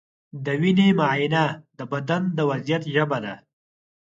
د وینې معاینه د بدن د وضعیت ژبه ده.